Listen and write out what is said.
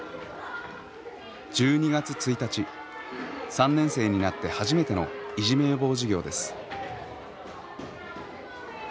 ３年生になって初めてのいじめ予防授業です。